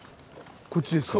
こっちですか？